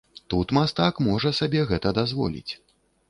Тут мастак можа сабе гэта дазволіць.